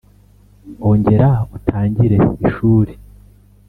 ongera utangire ishuri.